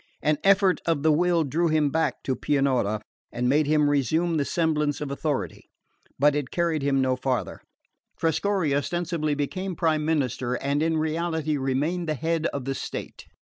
An effort of the will drew him back to Pianura, and made him resume the semblance of authority; but it carried him no farther. Trescorre ostensibly became prime minister, and in reality remained the head of the state.